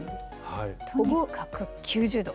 とにかく９０度。